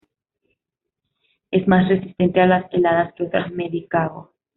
Es más resistente a las heladas que otras medicago.